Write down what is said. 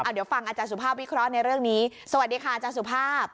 เดี๋ยวฟังอาจารย์สุภาพวิเคราะห์ในเรื่องนี้สวัสดีค่ะอาจารย์สุภาพ